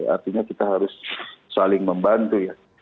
artinya kita harus saling membantu ya